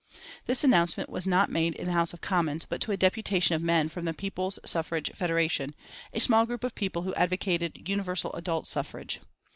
This announcement was not made in the House of Commons, but to a deputation of men from the People's Suffrage Federation, a small group of people who advocated universal adult suffrage.